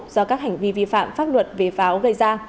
do các hành vi vi phạm pháp luật về pháo gây ra